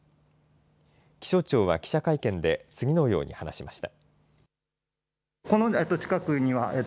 気象庁は記者会見で次のように話しました。